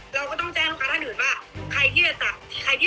เราก็ต้องแจ้งลูกค้าท่านอื่นว่าใครที่จะจับใครที่